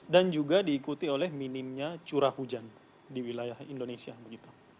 dan juga diikuti oleh minimnya curah hujan di wilayah indonesia begitu